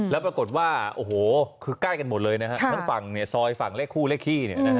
แล้วปรากฏว่าโอ้โหคือใกล้กันหมดเลยนะฮะทั้งฝั่งซอยฝั่งเลขคู่เลขขี้